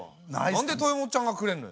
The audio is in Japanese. なんで豊本ちゃんがくれんのよ？